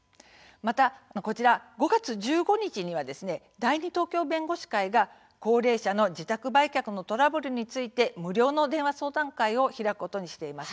またこちら、５月１５日には第二東京弁護士会が高齢者の自宅売却のトラブルについて無料の電話相談会を開くことにしています。